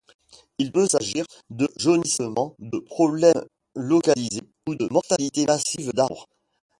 Il peut s'agir de jaunissement, de problèmes localisés ou de mortalités massives d'arbres.